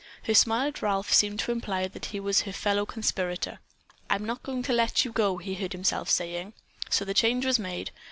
Her smile at Ralph seemed to imply that he was her fellow conspirator. "I'm not going to let you go," he heard himself saying. So the change was made.